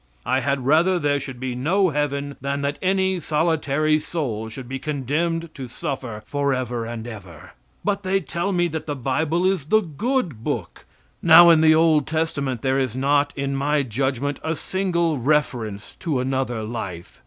I had rather there should be no heaven than that any solitary soul should be condemned to suffer forever and ever. But they tell me that the Bible is the good book. Now, in the Old Testament there is not in my judgment a single reference to another life.